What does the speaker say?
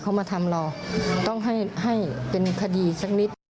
เขามาทำเราต้องให้เป็นคดีสักนิด